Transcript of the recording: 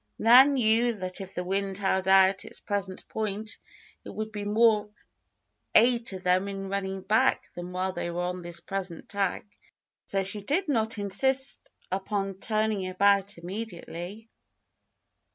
Nan knew that if the wind held at its present point it would be more aid to them in running back than while they were on this present tack, so she did not insist upon turning about immediately.